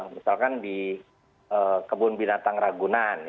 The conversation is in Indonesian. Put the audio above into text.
misalkan di kebun binatang ragunan